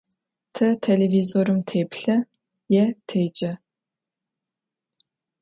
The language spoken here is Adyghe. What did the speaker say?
Te têlêvizorım têplhı yê têce.